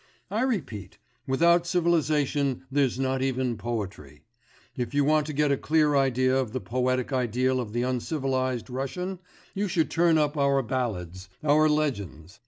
I repeat, without civilisation there's not even poetry. If you want to get a clear idea of the poetic ideal of the uncivilised Russian, you should turn up our ballads, our legends.